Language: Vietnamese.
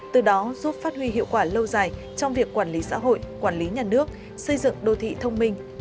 từ đó giúp phát huy hiệu quả lâu dài trong việc quản lý xã hội quản lý nhà nước xây dựng đô thị thông minh